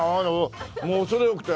もう恐れ多くてあの。